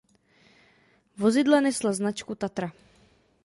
Vozidla nesla značku "Tatra".